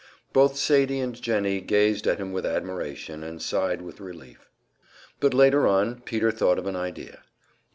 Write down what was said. Both Sadie and Jennie gazed at him with admiration, and sighed with relief. But later on, Peter thought of an idea.